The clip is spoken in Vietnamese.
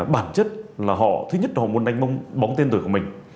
bản chất là họ thứ nhất họ muốn đánh bóng tên tuổi của mình